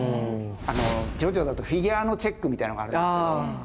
ジョジョだとフィギュアのチェックみたいのがあるんですけど。